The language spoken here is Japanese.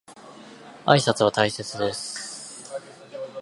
挨拶は大切です。